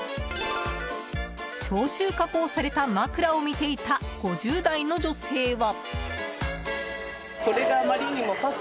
消臭加工された枕を見ていた５０代の女性は。